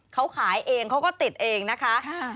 เขาขายเองเขาก็ติดเองนะคะ